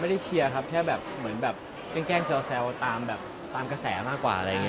เชียร์ครับแค่แบบเหมือนแบบแกล้งแซวตามแบบตามกระแสมากกว่าอะไรอย่างนี้